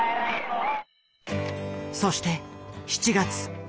そして７月。